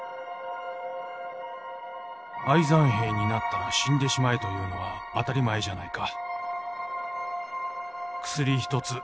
「敗残兵になったら死んでしまえというのは当たり前じゃないか」。